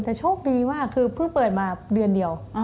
แต่โชคดีมากคือเพิ่งเปิดมาเดือนเดียว